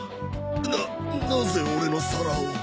ななぜオレの皿を。